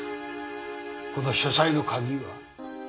この書斎の鍵は？